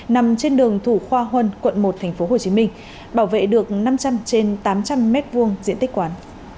nằm trên đường thủ khoa huân quận một tp hcm bảo vệ được năm trăm linh trên tám trăm linh m hai diện tích quán